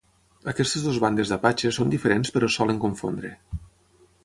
Aquestes dues bandes d"apatxes són diferents però es solen confondre.